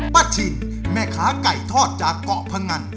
ชินแม่ค้าไก่ทอดจากเกาะพงัน